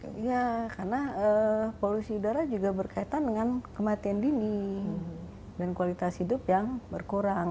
iya karena polusi udara juga berkaitan dengan kematian dini dan kualitas hidup yang berkurang